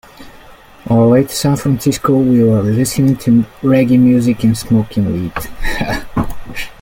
On our way to San Francisco, we were listening to reggae music and smoking weed.